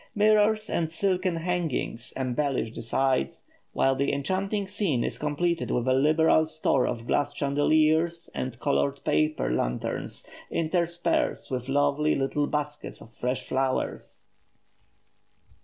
Mirrors and silken hangings embellish the sides, while the enchanting scene is completed with a liberal store of glass chandeliers and coloured paper lanterns, interspersed with lovely little baskets of fresh flowers.